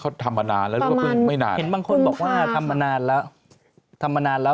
เขาทำมานานแล้วไม่นานบางคนบอกว่าทำมานานแล้วทำมานานแล้ว